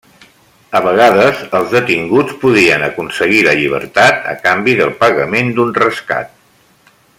A vegades els detinguts podien aconseguir la llibertat a canvi del pagament d'un rescat.